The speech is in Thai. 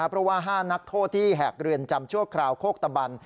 เพราะว่า๕นักโทษที่แหกเรือนจำชั่วคราวโคกตะบัน